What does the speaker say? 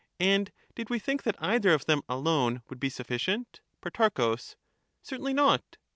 And did we think that either of them alone would be sufficient ? Pro. Certainly not.